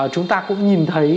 chúng ta cũng nhìn thấy